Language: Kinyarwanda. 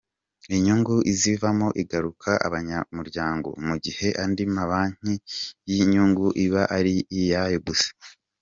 Inyungu izivamo igarukira abanyamuryango mu gihe andi mabanki inyungu iba ari iyayo gusa.